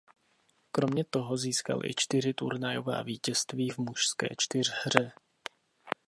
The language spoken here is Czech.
Kromě toho získal i čtyři turnajová vítězství v mužské čtyřhře.